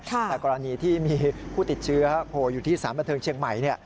แต่กรณีที่มีผู้ติดเชื้อโผล่อยู่ที่สารบันเทิงเชียงใหม่